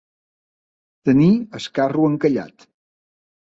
Tenir el carro encallat.